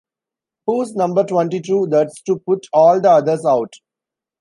Who’s number twenty-two, that’s to put all the others out?